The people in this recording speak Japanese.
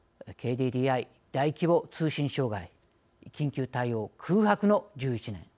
大規模通信障害緊急対応空白の１１年。